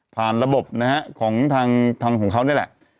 ผ่านระบบของทางของเขานี่แหละ